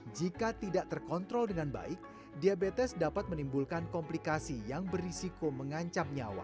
jika tidak terkontrol dengan baik diabetes dapat menimbulkan komplikasi yang berisiko mengancam nyawa